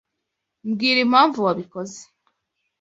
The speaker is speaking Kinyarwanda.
Mbwira impamvu wabikoze.